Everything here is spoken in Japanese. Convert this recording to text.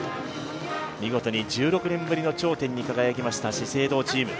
見事に１６年ぶりの頂点に輝きました資生堂チーム。